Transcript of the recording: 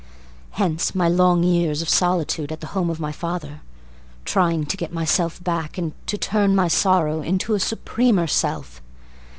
Hence my long years of solitude at the home of my father, Trying to get myself back, And to turn my sorrow into a supremer self.